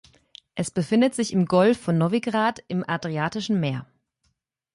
Es befindet sich im Golf von Novigrad im Adriatischen Meer